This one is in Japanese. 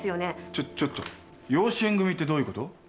ちょちょっと養子縁組みってどういうこと？